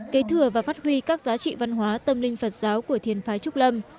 kế thừa và phát huy các giá trị văn hóa tâm linh phật giáo của thiền phái trúc lâm